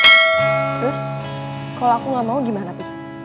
terus kalau aku gak mau gimana tuh